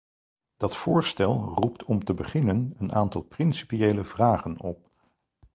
Dat voorstel roept om te beginnen een aantal principiële vragen op.